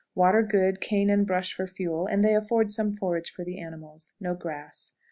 Water good; cane and brush for fuel, and they afford some forage for the animals; no grass. 16.